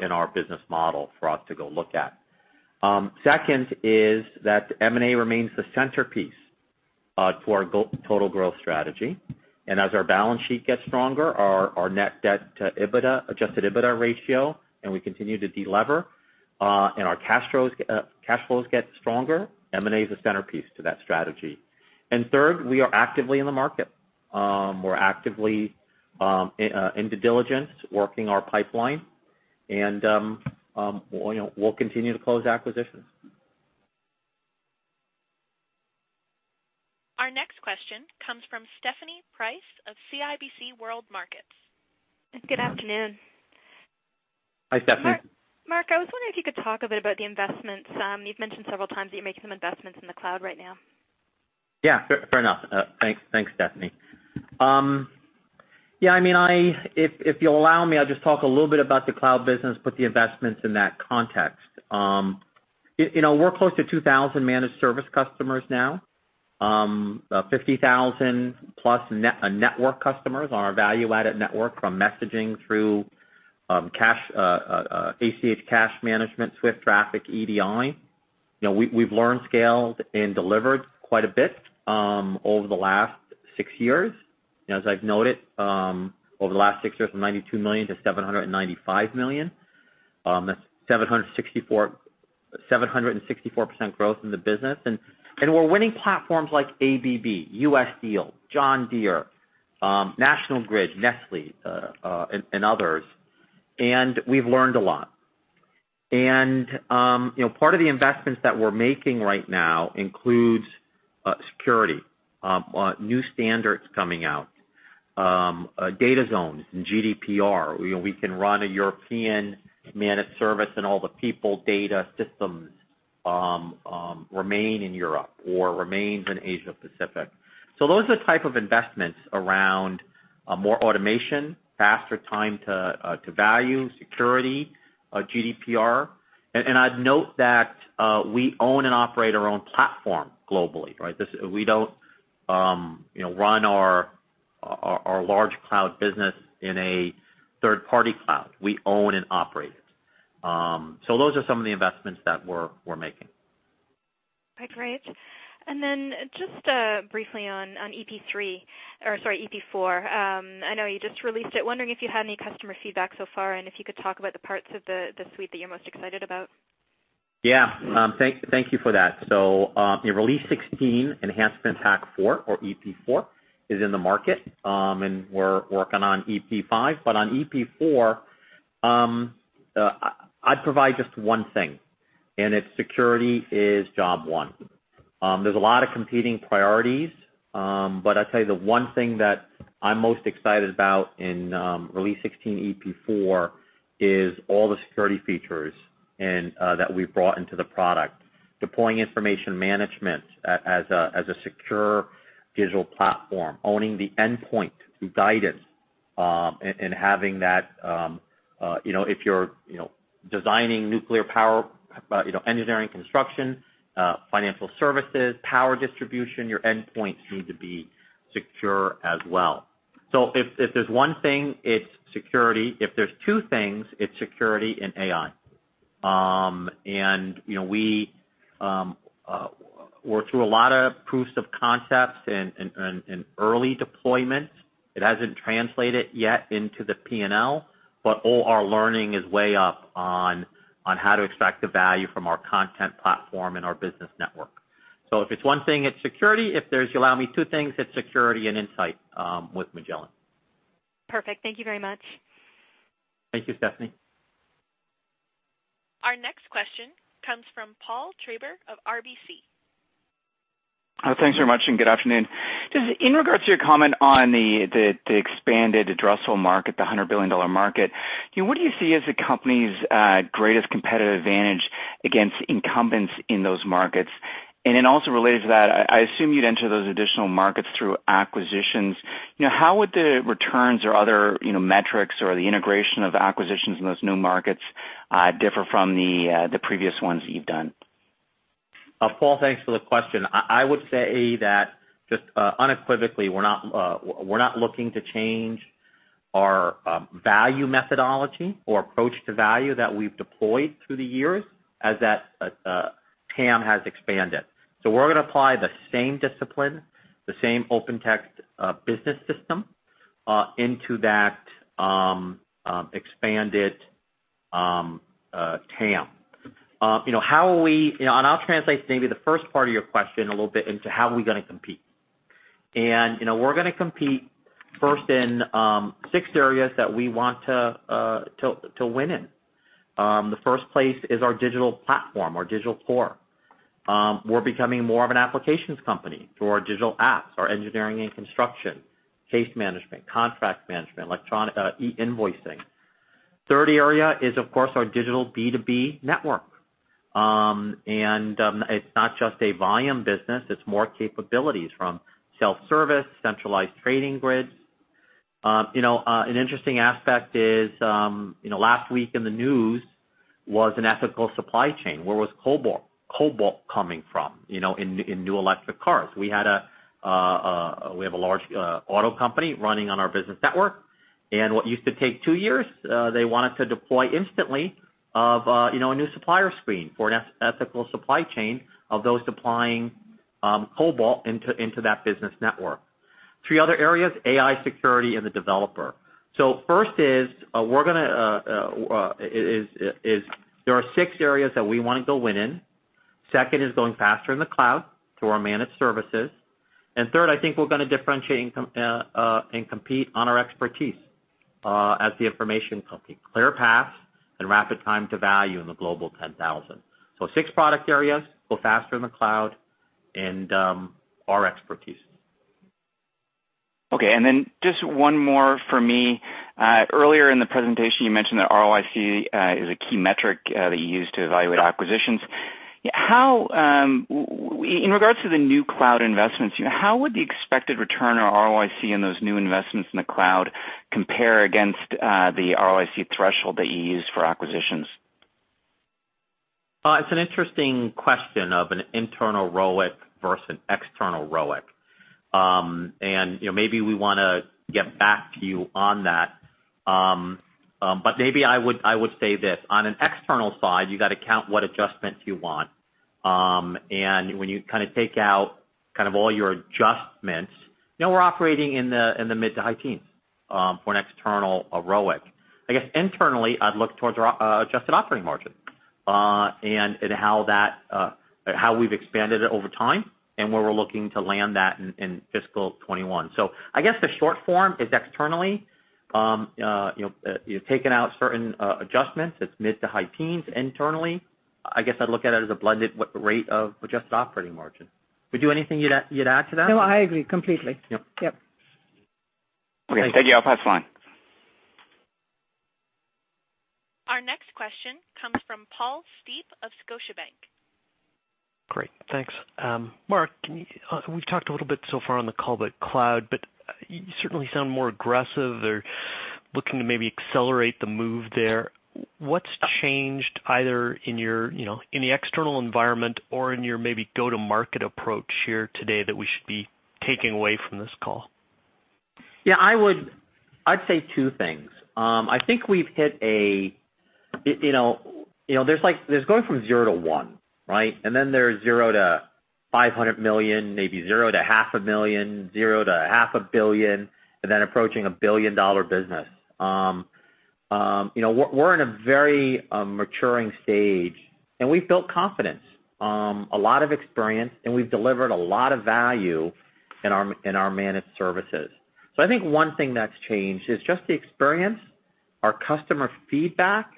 in our business model for us to go look at. Second is that M&A remains the centerpiece to our total growth strategy. As our balance sheet gets stronger, our net debt to adjusted EBITDA ratio, we continue to de-lever, and our cash flows get stronger, M&A is a centerpiece to that strategy. Third, we are actively in the market. We're actively into diligence, working our pipeline, and we'll continue to close acquisitions. Our next question comes from Stephanie Price of CIBC World Markets. Good afternoon. Hi, Stephanie. Mark, I was wondering if you could talk a bit about the investments. You've mentioned several times that you're making some investments in the cloud right now. Yeah, fair enough. Thanks, Stephanie. If you allow me, I'll just talk a little bit about the cloud business, put the investments in that context. We're close to 2,000 managed service customers now. 50,000-plus network customers on our value-added network from messaging through ACH cash management, SWIFT traffic, EDI. We've learned, scaled, and delivered quite a bit over the last six years. As I've noted, over the last six years, from $92 million to $795 million. That's 764% growth in the business. We're winning platforms like ABB, U.S. Steel, John Deere, National Grid, Nestlé, and others. We've learned a lot. Part of the investments that we're making right now includes security, new standards coming out, data zones and GDPR, where we can run a European managed service and all the people data systems remain in Europe or remains in Asia Pacific. Those are the type of investments around more automation, faster time to value, security, GDPR. I'd note that we own and operate our own platform globally, right? We don't run our large cloud business in a third-party cloud. We own and operate it. Those are some of the investments that we're making. Great. Then just briefly on EP3, or sorry, EP4. I know you just released it. Wondering if you had any customer feedback so far, and if you could talk about the parts of the suite that you're most excited about. Yeah. Thank you for that. Release 16, Enhancement Pack 4 or EP4 is in the market, and we're working on EP5. On EP4, I'd provide just one thing, and it's security is job one. There's a lot of competing priorities, I'd say the one thing that I'm most excited about in Release 16 EP4 is all the security features that we've brought into the product. Deploying information management as a secure digital platform, owning the endpoint through Guidance, and having that if you're designing nuclear power, engineering, construction, financial services, power distribution, your endpoints need to be secure as well. If there's one thing, it's security. If there's two things, it's security and AI. We're through a lot of proofs of concepts and early deployments. It hasn't translated yet into the P&L, all our learning is way up on how to extract the value from our content platform and our business network. If it's one thing, it's security. If you allow me two things, it's security and insight, with Magellan. Perfect. Thank you very much. Thank you, Stephanie. Our next question comes from Paul Treiber of RBC. Thanks very much. Good afternoon. Just in regards to your comment on the expanded addressable market, the $100 billion market, what do you see as the company's greatest competitive advantage against incumbents in those markets? Also related to that, I assume you'd enter those additional markets through acquisitions. How would the returns or other metrics or the integration of acquisitions in those new markets differ from the previous ones that you've done? Paul, thanks for the question. I would say that just unequivocally, we're not looking to change our value methodology or approach to value that we've deployed through the years as that TAM has expanded. We're going to apply the same discipline, the same OpenText Business System into that expanded TAM. I'll translate maybe the first part of your question a little bit into how are we going to compete. We're going to compete first in six areas that we want to win in. The first place is our digital platform, our digital core. We're becoming more of an applications company through our digital apps, our engineering and construction, case management, contract management, e-invoicing. Third area is, of course, our digital B2B network. It's not just a volume business, it's more capabilities from self-service, centralized trading grids. An interesting aspect is last week in the news was an ethical supply chain. Where was cobalt coming from in new electric cars? We have a large auto company running on our business network, what used to take 2 years, they want it to deploy instantly of a new supplier screen for an ethical supply chain of those supplying cobalt into that business network. Three other areas, AI security and the developer. First is there are 6 areas that we want to go win in. Second is going faster in the cloud through our managed services. Third, I think we're going to differentiate and compete on our expertise as the information company. Clear paths and rapid time to value in the Global 10,000. 6 product areas, go faster in the cloud, and our expertise. Okay, just one more from me. Earlier in the presentation, you mentioned that ROIC is a key metric that you use to evaluate acquisitions. In regards to the new cloud investments, how would the expected return or ROIC in those new investments in the cloud compare against the ROIC threshold that you use for acquisitions? It's an interesting question of an internal ROIC versus an external ROIC. Maybe we want to get back to you on that. Maybe I would say this, on an external side, you got to count what adjustments you want. When you take out all your adjustments, we're operating in the mid to high teens for an external ROIC. I guess internally, I'd look towards our adjusted operating margin, and how we've expanded it over time, and where we're looking to land that in fiscal 2021. I guess the short form is externally, taking out certain adjustments, it's mid to high teens internally. I guess I'd look at it as a blended rate of adjusted operating margin. Madhu, anything you'd add to that? No, I agree completely. Yep. Yep. Okay. Thank you. I'll pass the line. Our next question comes from Paul Steep of Scotiabank. Great. Thanks. Mark, we've talked a little bit so far on the call about cloud, you certainly sound more aggressive or looking to maybe accelerate the move there. What's changed either in the external environment or in your maybe go-to-market approach here today that we should be taking away from this call? Yeah, I'd say two things. I think we've hit there's going from zero to one, right? Then there's zero to $500 million, maybe zero to half a million, zero to half a billion, then approaching a billion-dollar business. We're in a very maturing stage, and we've built confidence, a lot of experience, and we've delivered a lot of value in our managed services. I think one thing that's changed is just the experience, our customer feedback,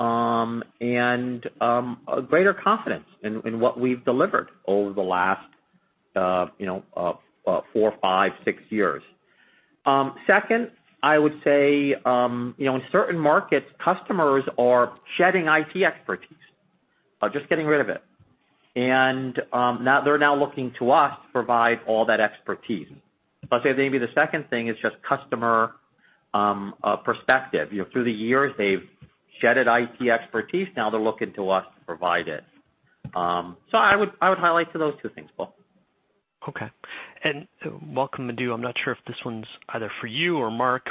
and a greater confidence in what we've delivered over the last four, five, six years. Second, I would say in certain markets, customers are shedding IT expertise, just getting rid of it. They're now looking to us to provide all that expertise. I'd say maybe the second thing is just customer perspective. Through the years, they've shedded IT expertise. Now they're looking to us to provide it. I would highlight to those two things, Paul. Mark and Vidya, I'm not sure if this one's either for you or Mark,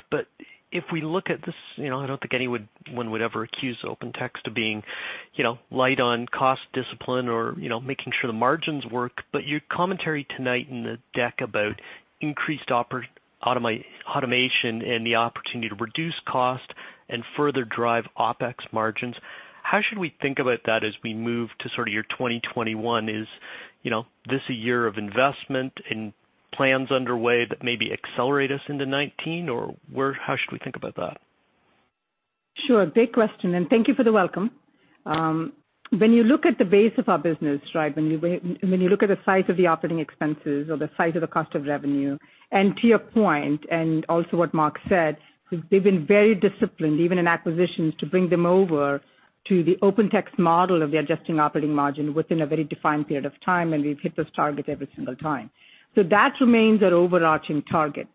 if we look at this, I don't think anyone would ever accuse Open Text of being light on cost discipline or making sure the margins work. Your commentary tonight in the deck about increased automation and the opportunity to reduce cost and further drive OpEx margins, how should we think about that as we move to sort of your 2021? Is this a year of investment and plans underway that maybe accelerate us into 2019, or how should we think about that? Sure. Great question, and thank you for the welcome. You look at the base of our business, you look at the size of the operating expenses or the size of the cost of revenue, and to your point, and also what Mark said, we've been very disciplined, even in acquisitions, to bring them over to the Open Text model of the adjusted operating margin within a very defined period of time, and we've hit this target every single time. That remains our overarching target.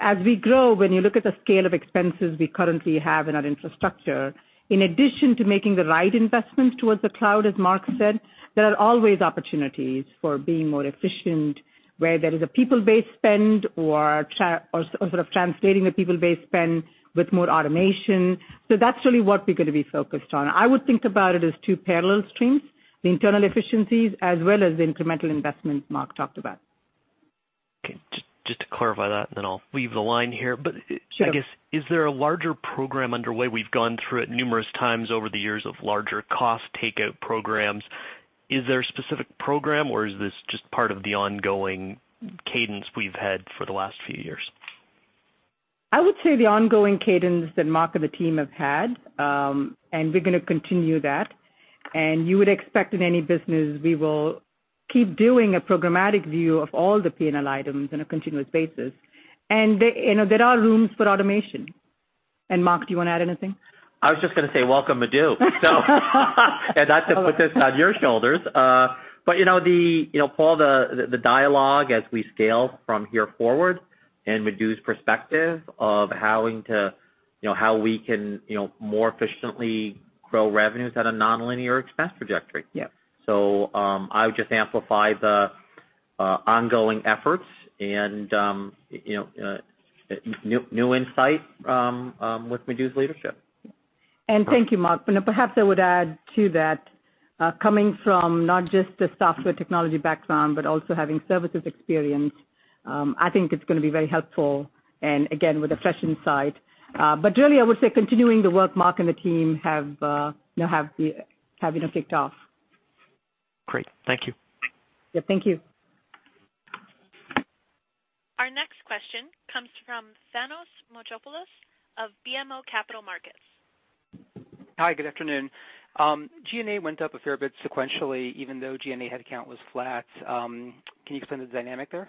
As we grow, you look at the scale of expenses we currently have in our infrastructure, in addition to making the right investments towards the cloud, as Mark said, there are always opportunities for being more efficient where there is a people-based spend or translating the people-based spend with more automation. That's really what we're going to be focused on. I would think about it as two parallel streams, the internal efficiencies as well as the incremental investments Mark talked about. Okay. Just to clarify that, I'll leave the line here. Sure. I guess, is there a larger program underway? We've gone through it numerous times over the years of larger cost takeout programs. Is there a specific program, or is this just part of the ongoing cadence we've had for the last few years? I would say the ongoing cadence that Mark and the team have had, we're going to continue that. You would expect in any business, we will keep doing a programmatic view of all the P&L items on a continuous basis. There are rooms for automation. Mark, do you want to add anything? I was just going to say welcome, Madhu. Not to put this on your shoulders. Paul, the dialogue, as we scale from here forward, and Madhu's perspective of how we can more efficiently grow revenues at a nonlinear expense trajectory. Yes. I would just amplify the ongoing efforts and new insight with Madhu's leadership. Thank you, Mark. Perhaps I would add to that. Coming from not just a software technology background, but also having services experience, I think it's going to be very helpful, and again, with a fresh insight. Really, I would say continuing the work Mark and the team have kicked off. Great. Thank you. Yeah. Thank you. Our next question comes from Thanos Moschopoulos of BMO Capital Markets. Hi, good afternoon. G&A went up a fair bit sequentially, even though G&A headcount was flat. Can you explain the dynamic there?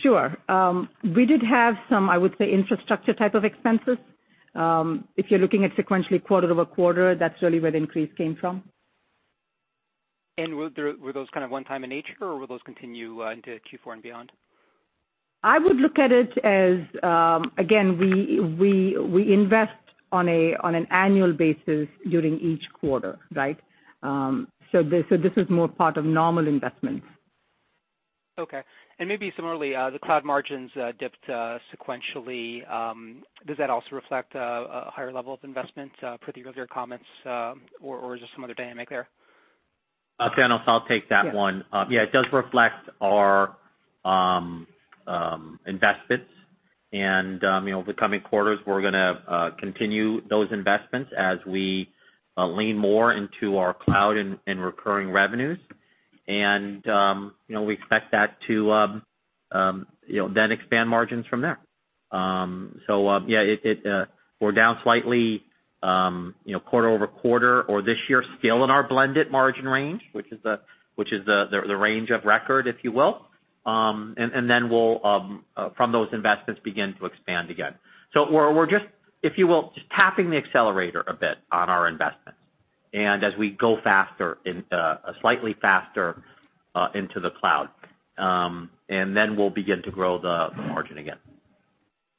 Sure. We did have some, I would say, infrastructure type of expenses. If you're looking at sequentially quarter-over-quarter, that's really where the increase came from. Were those one-time in nature, or will those continue into Q4 and beyond? I would look at it as, again, we invest on an annual basis during each quarter. This is more part of normal investments. Okay. Maybe similarly, the cloud margins dipped sequentially. Does that also reflect a higher level of investment per the earlier comments, or is there some other dynamic there? Thanos, I'll take that one. It does reflect our investments. The coming quarters, we're going to continue those investments as we lean more into our cloud and recurring revenues. We expect that to then expand margins from there. We're down slightly quarter-over-quarter or this year still in our blended margin range, which is the range of record, if you will. Then we'll, from those investments, begin to expand again. We're just, if you will, just tapping the accelerator a bit on our investments. As we go slightly faster into the cloud, then we'll begin to grow the margin again.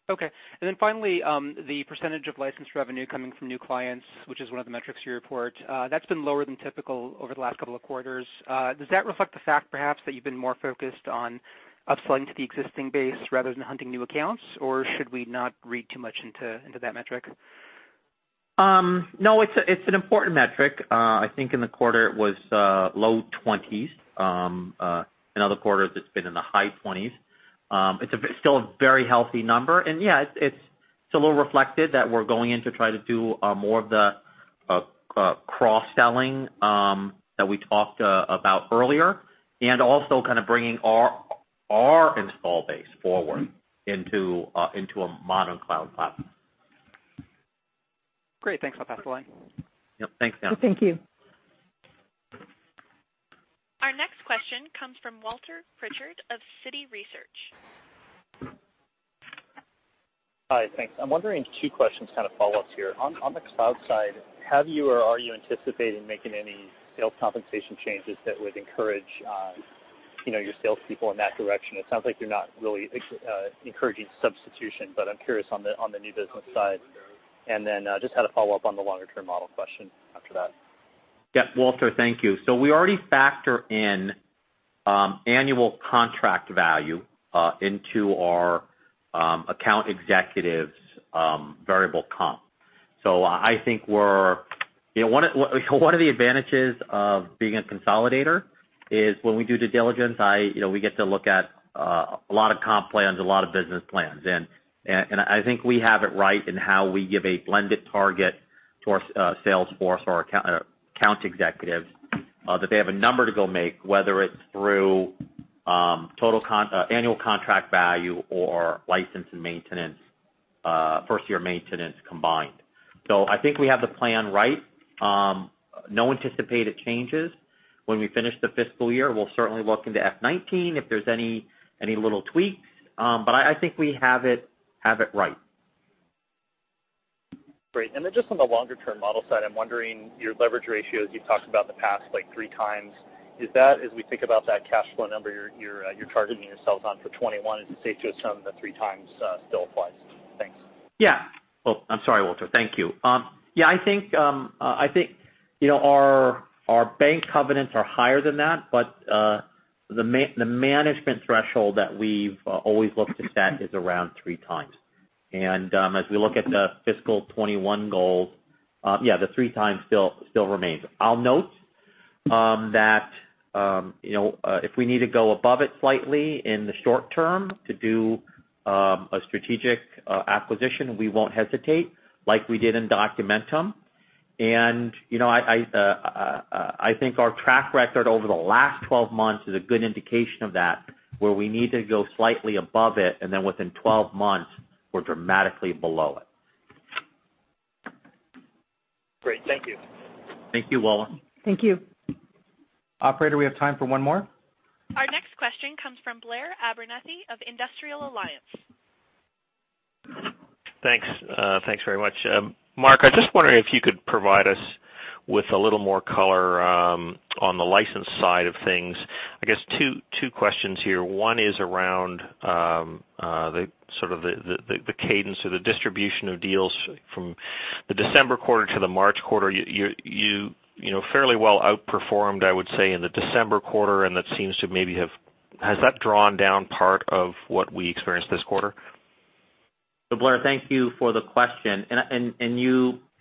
Okay. Then finally, the percentage of licensed revenue coming from new clients, which is one of the metrics you report, that's been lower than typical over the last couple of quarters. Does that reflect the fact, perhaps, that you've been more focused on upselling to the existing base rather than hunting new accounts? Or should we not read too much into that metric? No, it's an important metric. I think in the quarter it was low 20s. In other quarters, it's been in the high 20s. It's still a very healthy number. Yeah, it's a little reflected that we're going in to try to do more of the cross-selling that we talked about earlier, and also bringing our install base forward into a modern cloud platform. Great. Thanks. I'll pass the line. Yep. Thanks, Thanos. Thank you. Our next question comes from Walter Pritchard of Citi Research. Hi, thanks. I'm wondering, two questions, kind of follow-ups here. On the cloud side, have you or are you anticipating making any sales compensation changes that would encourage your salespeople in that direction? It sounds like you're not really encouraging substitution, but I'm curious on the new business side. Just had a follow-up on the longer-term model question after that. Yeah. Walter, thank you. We already factor in annual contract value into our account executives' variable comp. I think one of the advantages of being a consolidator is when we do due diligence, we get to look at a lot of comp plans, a lot of business plans. I think we have it right in how we give a blended target to our salesforce or account executives that they have a number to go make, whether it's through annual contract value or license and first-year maintenance combined. I think we have the plan right. No anticipated changes. When we finish the fiscal year, we'll certainly look into FY 2019 if there's any little tweaks. I think we have it right. Great. Just on the longer-term model side, I'm wondering, your leverage ratios, you've talked about the past like three times. Is that, as we think about that cash flow number you're charging yourselves on for 2021, is it safe to assume that three times still applies? Thanks. Yeah. Well, I'm sorry, Walter. Thank you. Yeah, I think our bank covenants are higher than that, the management threshold that we've always looked to set is around 3 times. As we look at the fiscal 2021 goals, yeah, the 3 times still remains. I'll note that if we need to go above it slightly in the short term to do a strategic acquisition, we won't hesitate, like we did in Documentum. I think our track record over the last 12 months is a good indication of that, where we need to go slightly above it, and then within 12 months, we're dramatically below it. Great. Thank you. Thank you, Walter. Thank you. Operator, we have time for one more? Our next question comes from Blair Abernethy of Industrial Alliance. Thanks very much. Mark, I was just wondering if you could provide us with a little more color on the license side of things. I guess two questions here. One is around the sort of the cadence or the distribution of deals from the December quarter to the March quarter. You fairly well outperformed, I would say, in the December quarter. Has that drawn down part of what we experienced this quarter? Blair, thank you for the question.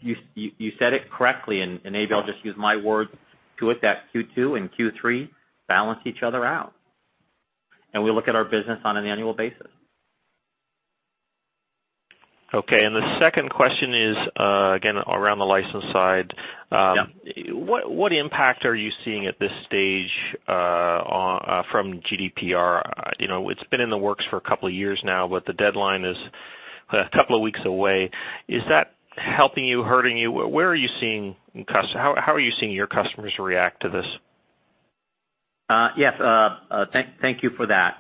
You said it correctly, and maybe I'll just use my words to it, that Q2 and Q3 balance each other out. We look at our business on an annual basis. Okay. The second question is, again, around the license side. Yeah. What impact are you seeing at this stage from GDPR? It's been in the works for a couple of years now, but the deadline is a couple of weeks away. Is that helping you, hurting you? How are you seeing your customers react to this? Yes. Thank you for that.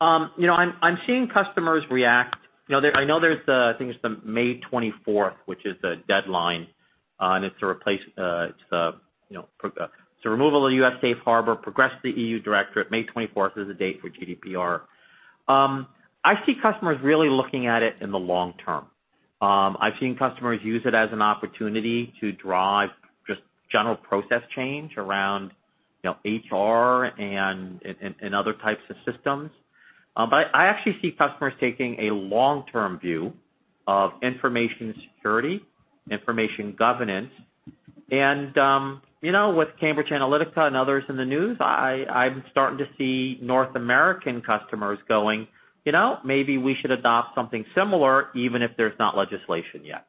I'm seeing customers react I know there's, I think it's the May 24th, which is the deadline, and it's the removal of the US Safe Harbor, progressed to the EU Directive. May 24th is the date for GDPR. I see customers really looking at it in the long term. I've seen customers use it as an opportunity to drive just general process change around HR and other types of systems. I actually see customers taking a long-term view of information security, information governance. With Cambridge Analytica and others in the news, I'm starting to see North American customers going, "Maybe we should adopt something similar, even if there's not legislation yet."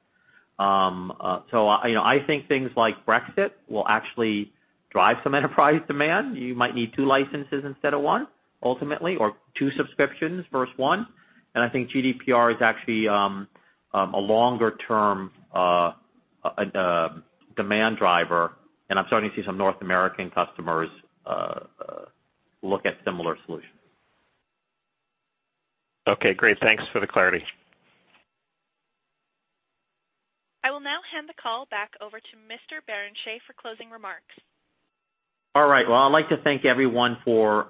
I think things like Brexit will actually drive some enterprise demand. You might need two licenses instead of one, ultimately, or two subscriptions versus one. I think GDPR is actually a longer-term demand driver, and I'm starting to see some North American customers look at similar solutions. Okay, great. Thanks for the clarity. I will now hand the call back over to Mr. Barrenechea for closing remarks. All right. Well, I'd like to thank everyone for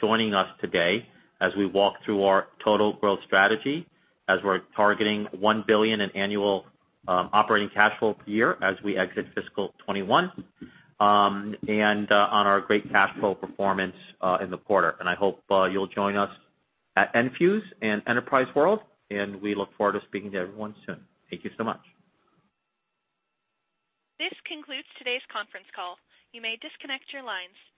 joining us today as we walk through our total growth strategy, as we're targeting $1 billion in annual operating cash flow per year as we exit fiscal 2021, and on our great cash flow performance in the quarter. I hope you'll join us at Enfuse and Enterprise World. We look forward to speaking to everyone soon. Thank you so much. This concludes today's conference call. You may disconnect your lines.